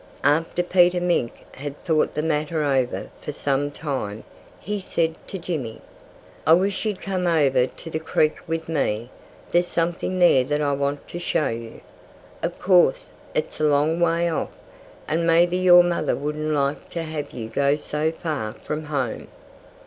After Peter Mink had thought the matter over for some time, he said to Jimmy: "I wish you'd come over to the creek with me. There's something there that I want to show you. Of course, it's a long way off; and maybe your mother wouldn't like to have you go so far from home."